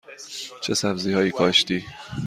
چه سبزی هایی کاشتی؟